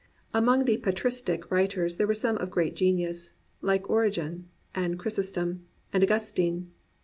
Among the patristic writers there were some of great genius like Origen and Chrysostom and Au gustine.